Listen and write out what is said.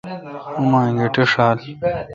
اوما انگیٹھ ݭال۔